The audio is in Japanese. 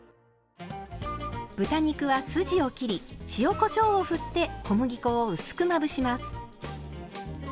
豚肉は筋を切り塩こしょうを振って小麦粉を薄くまぶします。